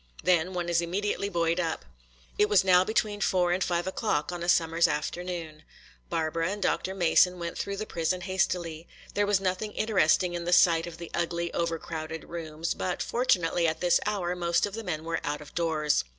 Then one is immediately buoyed up. It was now between four and five o'clock on a summer's afternoon. Barbara and Dr. Mason went through the prison hastily. There was nothing interesting in the sight of the ugly, over crowded rooms; but fortunately at this hour most of the men were out of doors.